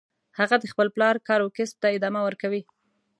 هغه د خپل پلار کسب او کار ته ادامه ورکوي